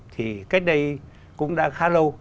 thì cách đây cũng đã khá lâu